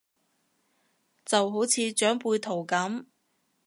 就好似長輩圖咁